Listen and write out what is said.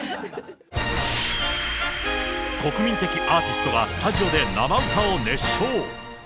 国民的アーティストがスタジオで生歌を熱唱。